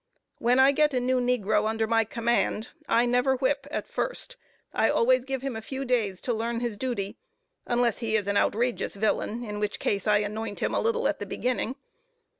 When I get a new negro under my command, I never whip at first; I always give him a few days to learn his duty, unless he is an outrageous villain, in which case I anoint him a little at the beginning.